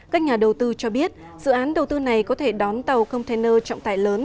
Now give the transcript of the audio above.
các nhà đầu tư cho biết dự án đầu tư này có thể đón tàu container trọng tải lớn